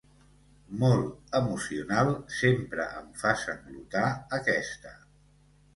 Molt emocional, sempre em fa sanglotar, aquesta.